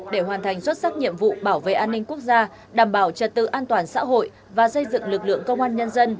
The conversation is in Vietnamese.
để hoàn thành xuất sắc nhiệm vụ bảo vệ an ninh quốc gia đảm bảo trật tự an toàn xã hội và xây dựng lực lượng công an nhân dân